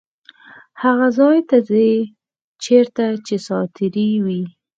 هغه ځای ته ځي چیرته چې ساعتېرۍ وي.